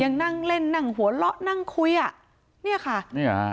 ยังนั่งเล่นนั่งหัวเราะนั่งคุยอ่ะเนี่ยค่ะเนี่ยฮะ